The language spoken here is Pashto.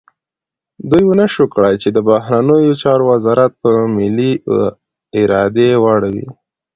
دوی ونه شو کړای چې د بهرنیو چارو وزارت پر ملي ارادې واړوي.